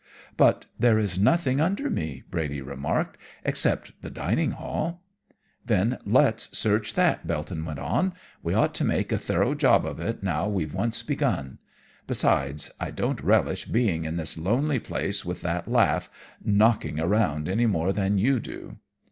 "'But there's nothing under me,' Brady remarked, 'except the Dining Hall.' "'Then let's search that,' Belton went on. 'We ought to make a thorough job of it now we've once begun. Besides, I don't relish being in this lonely place with that laugh "knocking" around, any more than you do.'